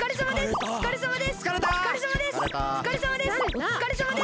おつかれさまです！